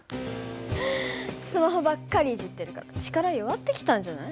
スマホばっかりいじってるから力弱ってきたんじゃない？